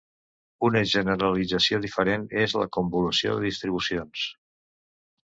Una generalització diferent és la convolució de distribucions.